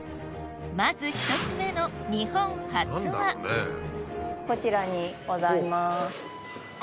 まず１つ目の日本初はこちらにございます。